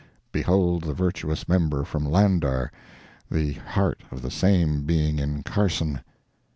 [Behold the virtuous member from Lander—the heart of the same being in Carson.